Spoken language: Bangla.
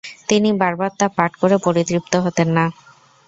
তিনি বারবার তা পাঠ করে পরিতৃপ্ত হতেন না।